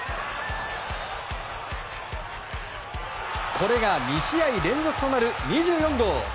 これが２試合連続となる２４号。